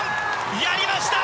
やりました！